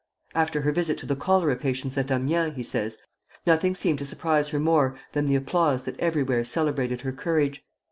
"After her visit to the cholera patients at Amiens," he says, "nothing seemed to surprise her more than the applause that everywhere celebrated her courage.